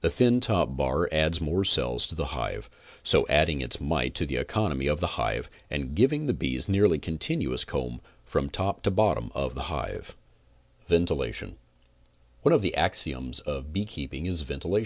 The thin top bar adds more cells to the hive, so adding its mite to the economy of the hive, and giving the bees nearly continuous comb from top to bottom of the hive. 14 CONSTRUCTIVE BEEKEEPING VENTILATION One of the axioms of beekeeping is ventilate.